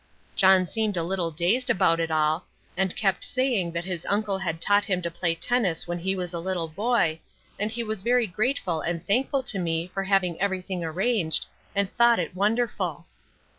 John seemed a little dazed about it all, and kept saying that his uncle had taught him to play tennis when he was a little boy, and he was very grateful and thankful to me for having everything arranged, and thought it wonderful.